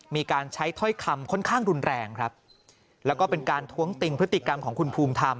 มีการใช้ถ้อยคำค่อนข้างรุนแรงครับแล้วก็เป็นการท้วงติงพฤติกรรมของคุณภูมิธรรม